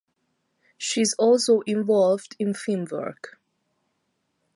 She is also involved in film work.